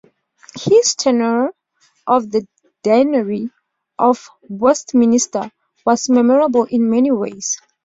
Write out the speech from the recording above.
His tenure of the deanery of Westminster was memorable in many ways.